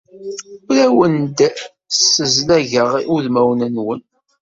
Ur awen-d-ssezlageɣ udmawen-nwen.